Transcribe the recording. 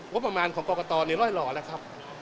ว่าประมาณของกรกตรเนี่ยร่อยหล่อแล้วครับ